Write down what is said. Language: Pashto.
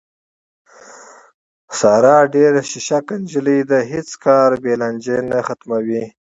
ساره ډېره شیشکه نجیلۍ ده، هېڅ کار بې له لانجې نه ختموي.